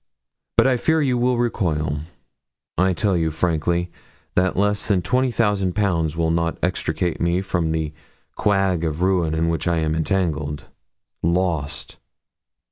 But I fear you will recoil. I tell you frankly that less than twenty thousand pounds will not extricate me from the quag of ruin in which I am entangled lost!'